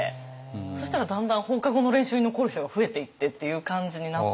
そしたらだんだん放課後の練習に残る人が増えていってっていう感じになって。